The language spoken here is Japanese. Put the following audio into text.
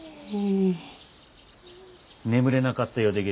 眠れなかったようでげすね。